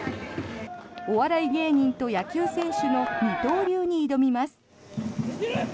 お笑い芸人と野球選手の二刀流に挑みます。